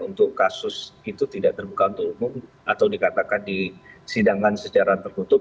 untuk kasus itu tidak terbuka untuk umum atau dikatakan di sidangan secara terkutuk